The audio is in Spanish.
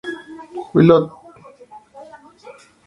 Tahití ya estaba clasificado por ser anfitrión.